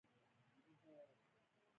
د لیمو ونې په یخنۍ کې څنګه وساتم؟